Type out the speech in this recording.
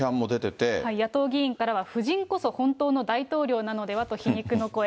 野党議員からは、夫人こそ本当の大統領なのではと皮肉の声。